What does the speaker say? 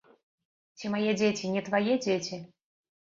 Ці мае дзеці не твае дзеці?